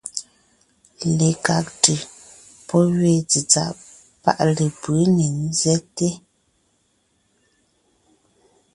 Lekág ntʉ̀ pɔ́ gẅeen tsetsáʼ paʼ lepʉ̌ ne nzɛ́te,